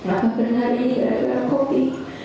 aku pernah berada di daerah kopi